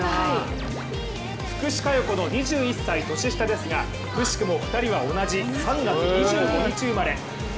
福士加代子の２１歳年下ですがくしくも２人は同じ３月２５日生まれ。